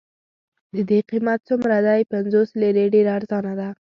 د دې قیمت څومره دی؟ پنځوس لیرې، ډېره ارزانه ده.